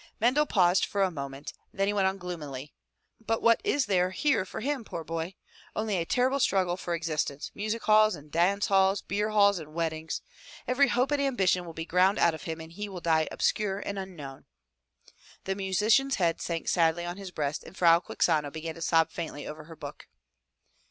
Mendel paused for a moment, then he went on gloomily, "But what is there here for him, poor boy? Only a terrible struggle for existence — music halls and dance halls, beer halls and weddings. Every hope and ambition will be ground out of him and he will die obscure and unknown." The musician's head sank sadly on his breast and Frau Quixano began to sob faintly over her book.